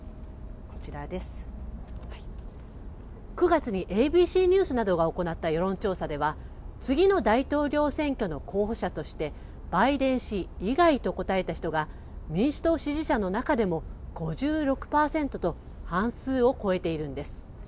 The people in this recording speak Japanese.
９月にＡＢＣニュースなどが行った世論調査では次の大統領選挙の候補者としてバイデン氏以外と答えた人が民主党支持者の中でも５６％と半数を超えているんです。